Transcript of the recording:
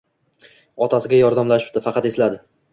Otasiga yordamlashdi faqat esladi.